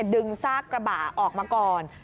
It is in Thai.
ซากกระบะออกมาก่อน